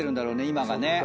今がね。